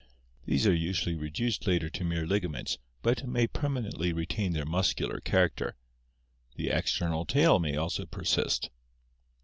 These are usually reduced later to mere ligaments but may permanently retain their muscular character. The external tail may also persist.